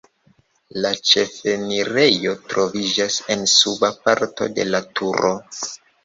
La ĉefenirejo troviĝas en suba parto de la turo.